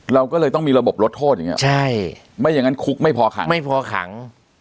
เราก็เลยต้องมีระบบลดโทษอย่างเงี้ใช่ไม่อย่างนั้นคุกไม่พอขังไม่พอขัง